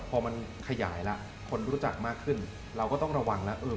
พอมันขยายแล้วคนรู้จักมากขึ้นเราก็ต้องระวังแล้ว